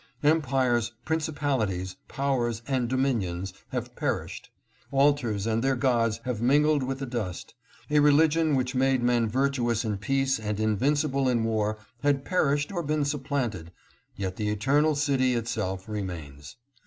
Empires, principalities, powers, and dominions have perished ; altars and their gods have mingled with the dust ; a religion which made men virtuous in peace and invincible in war has perished or been supplanted, yet the Eternal City itself remains.